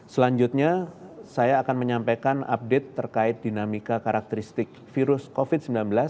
selanjutnya saya akan menyampaikan update terkait dinamika karakteristik virus covid sembilan belas